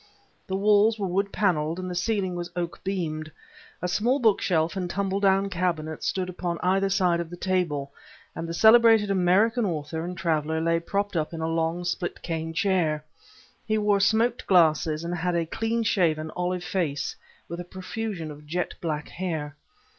The walls were wood paneled, and the ceiling was oaken beamed. A small bookshelf and tumble down cabinet stood upon either side of the table, and the celebrated American author and traveler lay propped up in a long split cane chair. He wore smoked glasses, and had a clean shaven, olive face, with a profusion of jet black hair.